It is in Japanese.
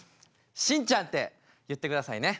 しんちゃんって言ってくださいね。